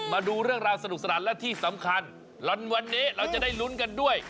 มาดูเรื่องราวสนุกสนานและที่สำคัญวันนี้เราจะได้ลุ้นกันด้วย